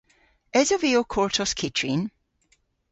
Esov vy ow kortos kyttrin?